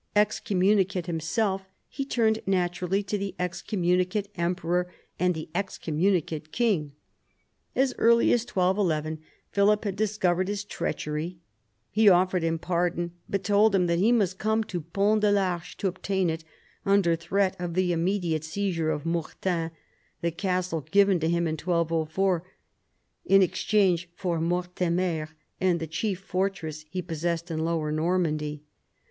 Excommunicate himself, he turned naturally to the excommunicate emperor and the excommunicate king. As early as 1211 Philip had discovered his treachery, He offered him pardon, but told him he must come to Pont de l'Arche to obtain it, under threat of the imme diate seizure of Mortain, the castle given to him in 1204 in exchange for Mortemer, and the chief fortress he possessed in lower Normandy.